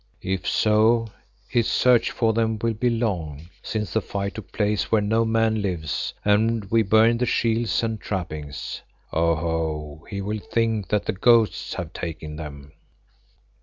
If so, his search for them will be long, since the fight took place where no man lives and we burned the shields and trappings. Oho! he will think that the ghosts have taken them."